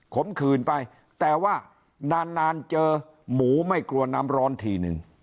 ขืนไปแต่ว่านานนานเจอหมูไม่กลัวน้ำร้อนทีนึง